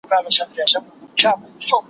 که طوطي چېري ګنجی لیدلی نه وای